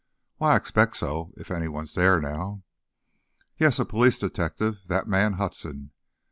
"Why, I expect so. Is anybody there now?" "Yes, a police detective, that man, Hudson.